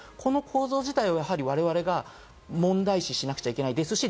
これを我々が問題視しなくちゃいけないですし。